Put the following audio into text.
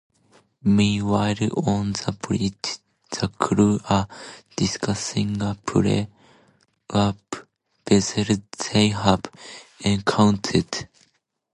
Meanwhile, on the Bridge, the crew are discussing a pre-warp vessel they have encountered.